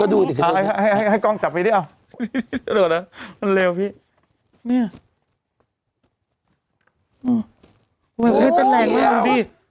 ก็ดูดิเอาให้กล้องจับไปดิเอามันเลวพี่เนี่ยโอ้โหนี่เป็นแหล่งดูดิ